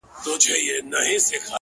يو نه دی چي و تاته په سرو سترگو ژاړي ـ